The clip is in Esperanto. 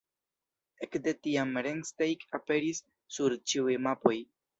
Ekde tiam Rennsteig aperis sur ĉiuj mapoj.